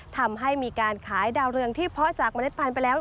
ทำให้มีการขายดาวเรืองที่เพาะจากเมล็ดพันธุ์ไปแล้ว